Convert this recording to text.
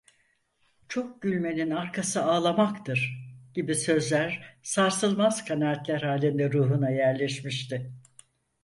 "Çok gülmenin arkası ağlamaktır!" gibi sözler sarsılmaz kanaatler halinde ruhuna yerleşmişti.